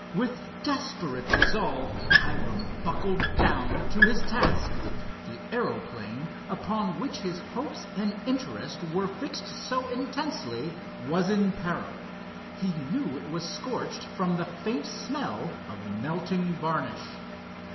With desperate resolve Hiram buckled down to his task. The aeroplane, upon which his hopes and interest were fixed so intensely, was in peril. He knew it was scorched, from the faint smell of melting varnish.